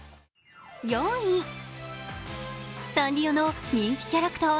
４位、サンリオの人気キャラクター